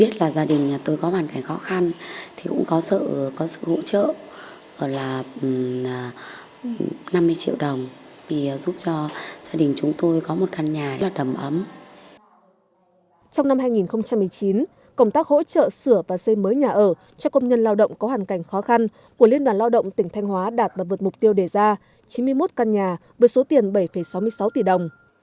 trong năm hai nghìn một mươi chín công tác hỗ trợ sửa và xây mới nhà ở cho công nhân lao động có hoàn cảnh khó khăn của liên đoàn lao động tỉnh thanh hóa đạt và vượt mục tiêu đề ra chín mươi một căn nhà với số tiền bảy sáu mươi sáu tỷ đồng